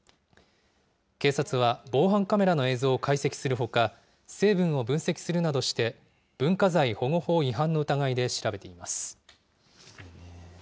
警察は防犯カメラの映像を解析するほか、成分を分析するなどして、文化財保護法違反の疑いで調べています。